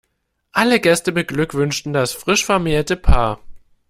Alle Gäste beglückwünschen das frisch vermählte Paar.